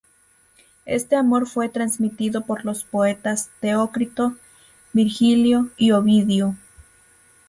Este amor fue transmitido por los poetas Teócrito, Virgilio y Ovidio.